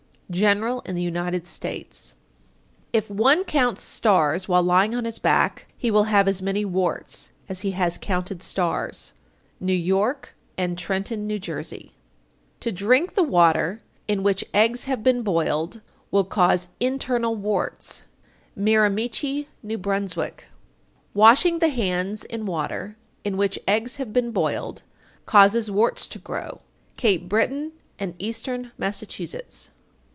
General in the United States. 875. If one counts stars while lying on his back, he will have as many warts as he has counted stars. New York and Trenton, N.J. 876. To drink the water in which eggs have been boiled will cause internal warts. Miramichi, N.B. 877. Washing the hands in water in which eggs have been boiled causes warts to grow. _Cape Breton and Eastern Massachusetts.